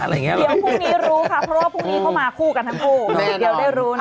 พรุ่งนี้รู้เพราะพรุ่งนี้เขามาเป็นผู้เดี๋ยวได้รู้เนี่ย